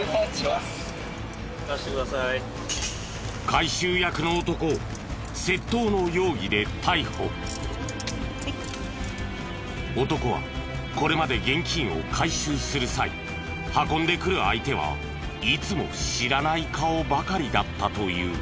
回収役の男を男はこれまで現金を回収する際運んでくる相手はいつも知らない顔ばかりだったという。